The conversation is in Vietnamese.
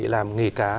làm nghề cá